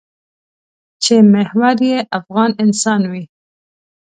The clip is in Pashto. چې محور یې افغان انسان وي.